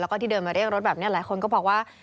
แล้วก็ที่เดินมาเรียกรถแบบนี้หลายคนก็บอกว่า